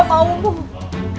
membangun membangki sisimu